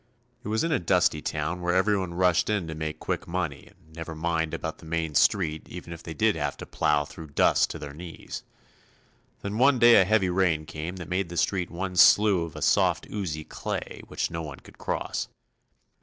It was in a dusty town where everyone rushed in to make quick money and never mind about the main street even if they did have to plough through dust to their knees. Then one day a heavy rain came that made the street one slough of soft oozy clay which no one could cross.